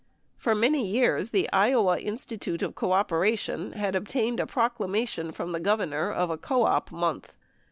For many years the Iowa Institute of Cooperation had obtained a proclamation from the Governor of a Co Op Month.